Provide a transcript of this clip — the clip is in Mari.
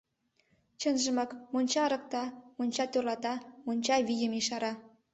Чынжымак, монча ырыкта, монча тӧрлата, монча вийым ешара.